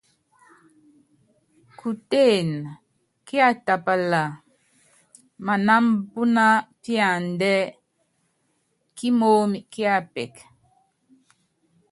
Kutéen, kiatapala manámbúná píandɛ́ kímoomi kíapɛk.